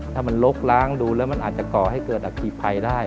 ถ้ามันลกล้างดูแล้วมันอาจจะก่อให้เกิดอคีภัยได้